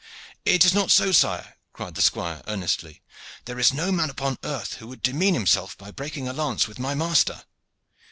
"It is not so, sire," cried the squire earnestly. "There is no man upon earth who would demean himself by breaking a lance with my master."